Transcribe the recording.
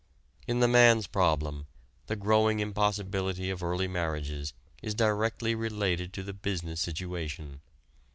In the man's problem, the growing impossibility of early marriages is directly related to the business situation.